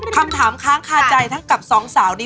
คำถามค้างคาใจทั้งกับสองสาวนี้